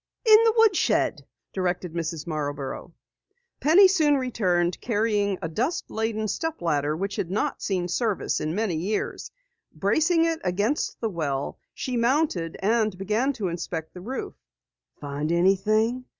"In the woodshed," directed Mrs. Marborough. Penny soon returned carrying a dust laden step ladder which had not seen service in many years. Bracing it against the well, she mounted and began to inspect the roof. "Find anything?"